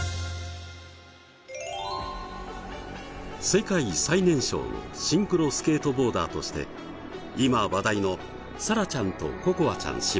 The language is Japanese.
世界最年少のシンクロスケートボーダーとして今話題の咲愛ちゃんと心愛ちゃん姉妹。